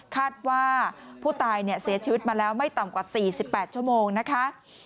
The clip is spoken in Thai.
คาดว่าผู้ตายเสียชีวิตมาแล้วไม่ต่ำกว่า๔๘ชั่วโมงนะคะ